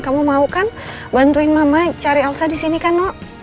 kamu mau kan bantuin mama cari alsa di sini kan nok